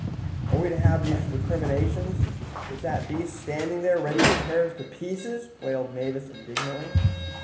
"Are we to have all these recriminations with that beast standing there ready to tear us to pieces?" wailed Mavis indignantly.